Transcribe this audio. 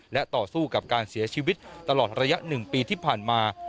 และต่อสู้กับการเสียชีวิตตลอดระยะ๑ปีที่ผ่านมา